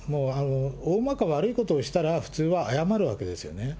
大まか悪いことをしたら、普通は謝るわけですよね。